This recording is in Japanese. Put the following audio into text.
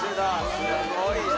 すごいな。